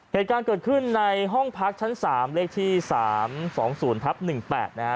เหตุการณ์เกิดขึ้นในห้องพักชั้นสามเลขที่สามสองศูนย์ทับหนึ่งแปดนะฮะ